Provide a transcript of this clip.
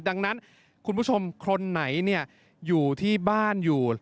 ดังนั้นคุณผู้ชมคนไหนอยู่ที่บ้านอยู่